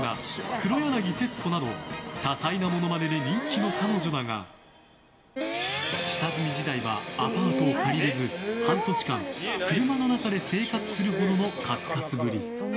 黒柳徹子など多彩なものまねで人気の彼女だが下積み時代はアパートを借りられず半年間、車の中で生活するほどのカツカツぶり。